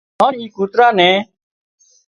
هانَ اي ڪوترا نين